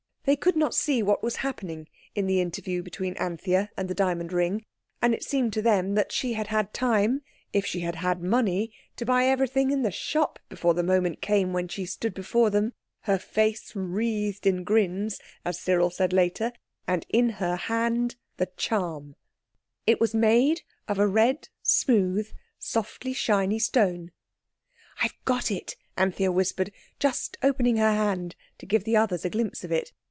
They could not see what was happening in the interview between Anthea and the Diamond Ring, and it seemed to them that she had had time—if she had had money—to buy everything in the shop before the moment came when she stood before them, her face wreathed in grins, as Cyril said later, and in her hand the charm. It was something like this: and it was made of a red, smooth, softly shiny stone. "I've got it," Anthea whispered, just opening her hand to give the others a glimpse of it.